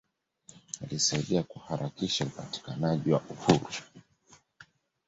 Alisaidia kuharakisha upatikanaji wa uhuru